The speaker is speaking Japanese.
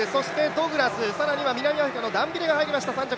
ドグラス、さらにはダンビレが入りました。